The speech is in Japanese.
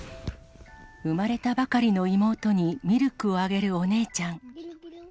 生まれたばかりの妹にミルクをあげるお姉ちゃん。